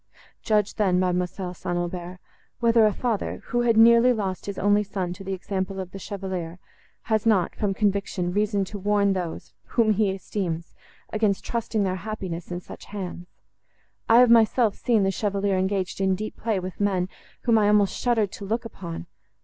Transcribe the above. Judge then, Mademoiselle St. Aubert, whether a father, who had nearly lost his only son by the example of the Chevalier, has not, from conviction, reason to warn those, whom he esteems, against trusting their happiness in such hands. I have myself seen the Chevalier engaged in deep play with men, whom I almost shuddered to look upon.